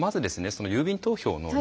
その郵便投票の条件